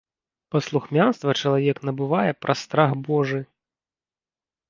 Паслухмянства чалавек набывае праз страх божы.